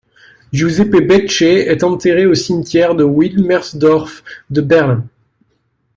Giuseppe Becce est enterré au cimetière de Wilmersdorf de Berlin.